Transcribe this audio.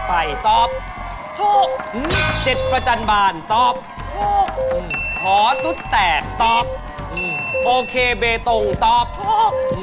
เปี๊ดปี๊ดโอเคเบตงตอบโชค